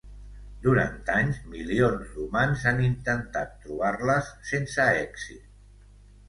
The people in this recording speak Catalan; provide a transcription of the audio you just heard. Durant anys, milions d'humans han intentat trobar-les, sense èxit.